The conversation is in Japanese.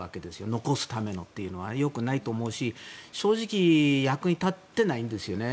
残すだけというのは良くないと思うし正直役に立っていないんですよね。